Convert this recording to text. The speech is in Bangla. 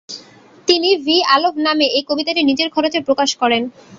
তিনি “ভি. আলোভ” নামে এই কবিতাটি নিজের খরচে প্রকাশ করেন।